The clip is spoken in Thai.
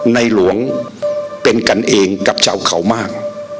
ในหลวงเป็นกันเองกับชาวเขามาก